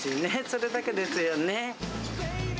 それだけですよね。